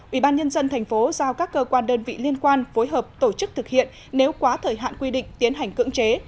ubnd tp giao các cơ quan đơn vị liên quan phối hợp tổ chức thực hiện nếu quá thời hạn quy định tiến hành cưỡng chế